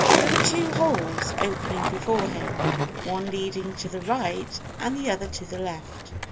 There were two holes opening before him, one leading to the right and the other to the left.